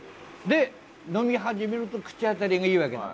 で飲み始めると口当たりがいいわけだ。